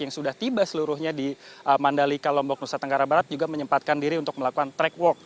yang sudah tiba seluruhnya di mandalika lombok nusa tenggara barat juga menyempatkan diri untuk melakukan track walk